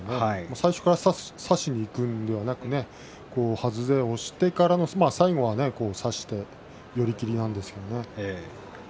最初から差しにいくんではなくて外れをしてから最後は差して寄り切りなんですね。